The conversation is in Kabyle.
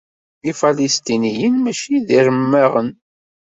Ifalesṭiniyen mačči d iremmaɣen.